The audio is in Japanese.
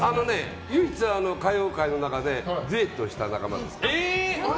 唯一、歌謡界の中でデュエットした仲間です。